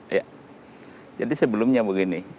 iya jadi sebelumnya begini